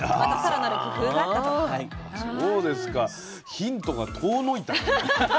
ヒントが遠のいたよね。